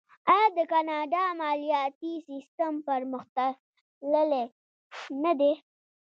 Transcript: آیا د کاناډا مالیاتي سیستم پرمختللی نه دی؟